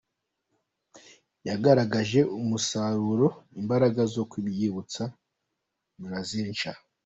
Yagaragaje umusaruro, imbaraga zo kubyutsa Brazil nshya.